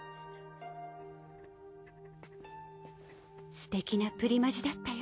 すてきなプリマジだったよ。